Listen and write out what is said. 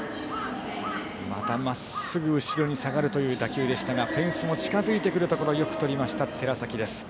またまっすぐ後ろに下がるという打球でしたがフェンスも近づいてくるところよくとった寺崎です。